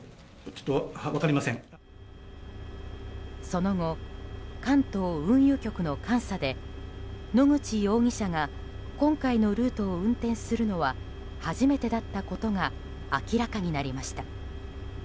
その後、関東運輸局の監査で野口容疑者が今回のルートを運転するのは初めてだったことが明らかになりました。